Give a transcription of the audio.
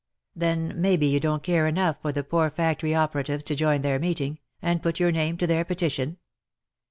" Then maybe you don't care enough for the poor factory opera tives to join their meeting, and put your name to their petition?"